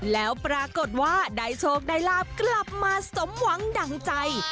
แล้วปรากฏว่าได้โชคได้ลาบกลับมาสมหวังดั่งใจ